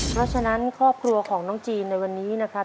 เพราะฉะนั้นครอบครัวของน้องจีนในวันนี้นะครับ